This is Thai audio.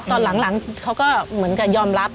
ตอนหลังเขาก็เหมือนกับยอมรับ